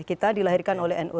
kita dilahirkan oleh nu